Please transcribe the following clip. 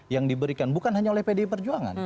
yang diberikan bukan hanya oleh pdi perjuangan